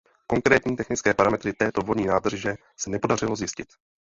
Konkrétní technické parametry této vodní nádrže se nepodařilo zjistit.